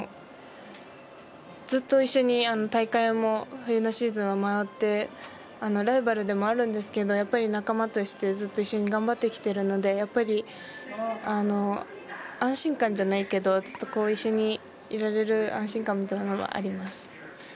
ずっと一緒に、大会も冬のシーズンを回ってライバルでもあるんですけどやっぱり仲間としてずっと一緒に頑張ってきているので安心感じゃないけど、ずっと一緒にいられる安心感みたいなのもあります。